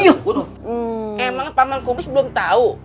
emang pak man kumis belum tahu